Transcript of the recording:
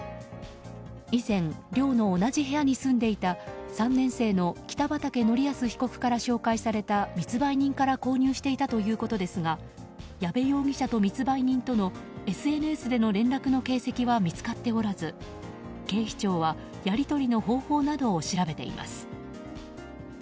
以前、寮の同じ部屋に住んでいた３年生の北畠成文被告から紹介された密売人から購入していたということですが矢部容疑者と密売人とのＳＮＳでの連絡の形跡は見つかっておらず警視庁は、やり取りの方法などを調べています。